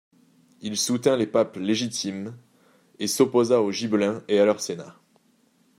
Il soutint les papes légitimes et s'opposa aux Gibelins et à leur Sénat.